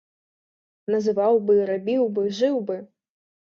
Называў бы, рабіў бы, жыў бы.